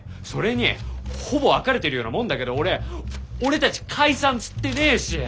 それにほぼ別れてるようなもんだけど俺俺たち解散っつってねぇし！